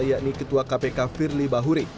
yakni ketua kpk firly bahuri